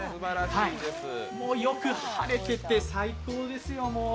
よく晴れてて、最高ですよ、もう。